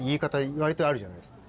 わりとあるじゃないですか。